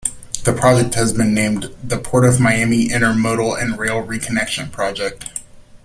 The project has been named the "Port of Miami Intermodal and Rail Reconnection Project".